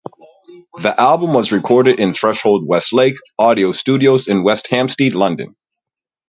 The album was recorded in Threshold Westlake Audio Studios in West Hampstead, London.